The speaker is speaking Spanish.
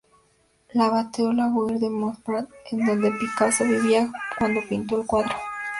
Le Bateau-Lavoir de Montmartre es donde Picasso vivía cuando pintó el cuadro.